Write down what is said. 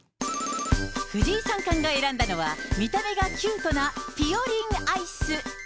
藤井三冠が選んだのは、見た目がキュートなぴよりんアイス。